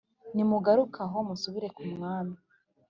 Nimugarukire aho musubire ku mwami